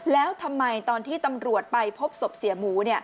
แล้วทำไมตอนที่ตำรวจไปพบศพเสียหมู